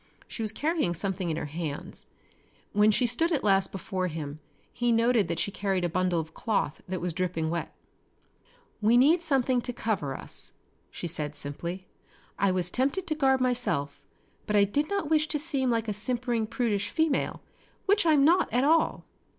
She was carrying something in her hands. When she stood at last before him he noted that she carried a bundle of cloth that was dripping wet. "We need something to cover us," she said simply. "I was tempted to garb myself, but I did not wish to seem like a simpering prudish female, which I'm not at all.